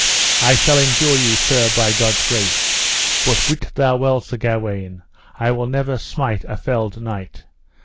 I shall endure you, Sir, by God's grace, but wit thou well, Sir Gawaine, I will never smite a felled knight.